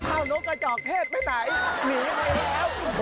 เอานกกระจอกเทศไปไหนหนีไหนนะครับ